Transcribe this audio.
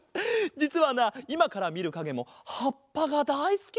じつはないまからみるかげもはっぱがだいすきなんだ。